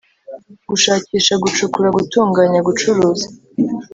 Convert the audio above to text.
gushakisha gucukura gutunganya gucuruza